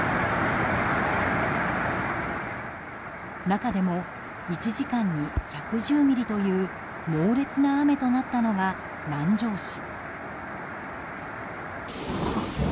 中でも１時間に１１０ミリという猛烈な雨となったのが南城市。